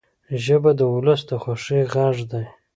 ژبه د ولس د خوښۍ غږ دی